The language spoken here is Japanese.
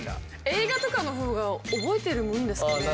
映画とかの方が覚えてるもんですかね？